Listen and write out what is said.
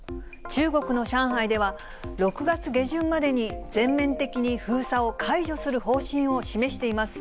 中国の上海では、６月下旬までに全面的に封鎖を解除する方針を示しています。